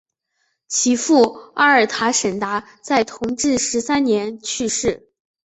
其父阿尔塔什达在同治十三年去世。